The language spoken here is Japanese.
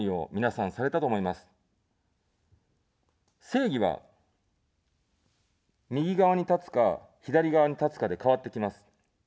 正義は右側に立つか、左側に立つかで変わってきます。